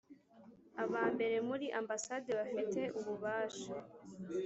aba mbere muri Ambasade bafite ububasha